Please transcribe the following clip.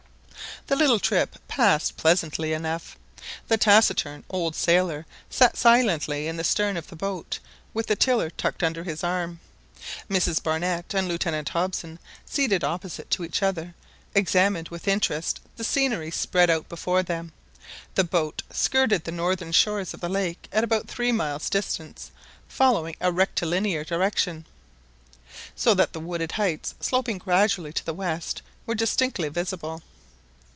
The little trip passed pleasantly enough. The taciturn old sailor sat silent in the stern of the boat with the tiller tucked under his arm. Mrs Barnett and Lieutenant Hobson, seated opposite to each other, examined with interest the scenery spread out before them. The boat skirted the northern shores of the lake at about three miles' distance, following a rectilinear direction, so that the wooded heights sloping gradually to the west were distinctly visible.